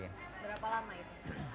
berapa lama itu